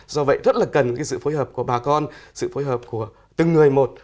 do vậy rất là cần cái sự phối hợp của bà con sự phối hợp của từng người một